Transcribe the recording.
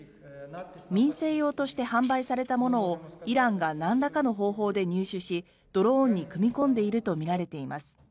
民生用として販売されたものをイランがなんらかの方法で入手しドローンに組み込んでいるとみられています。